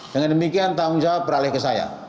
dengan demikian tanggung jawab beralih ke saya